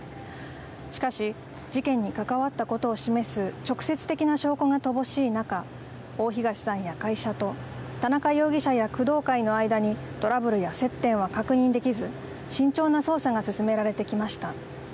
しかし事件に関わったことを示す直接的な証拠が乏しい中大東さんや会社と田中容疑や工藤会の間にトラブルや接点は確認できず慎重な捜査が進められてきました。